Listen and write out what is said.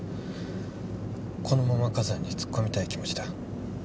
このまま火山に突っ込みたい気持ちだ。